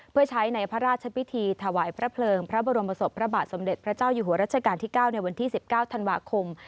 เพื่อใช้ในพระราชพิธีถวายพระเพลิงพระบรมศพพระบาทสมเด็จพระเจ้าอยู่หัวรัชกาลที่๙ในวันที่๑๙ธันวาคม